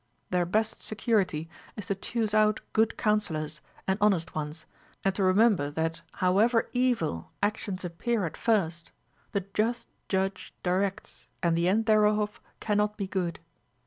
Their best security is to chuse out good counsellors, and honest ones, and to remember that however evil actions appear at first, the just Judge directs, and the end thereof cannot be good.